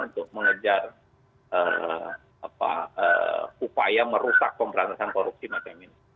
untuk mengejar upaya merusak pemberantasan korupsi macam ini